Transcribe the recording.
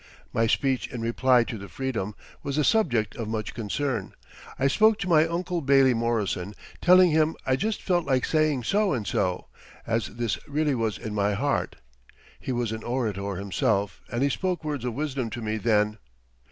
My speech in reply to the Freedom was the subject of much concern. I spoke to my Uncle Bailie Morrison, telling him I just felt like saying so and so, as this really was in my heart. He was an orator himself and he spoke words of wisdom to me then.